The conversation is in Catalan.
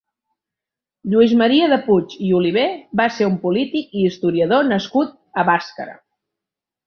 Lluís Maria de Puig i Olivé va ser un polític i historiador nascut a Bàscara.